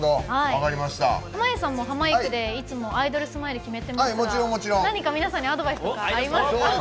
濱家さんもハマいくでいつもアイドルスマイル決めてますから何か皆さんにアドバイスとか。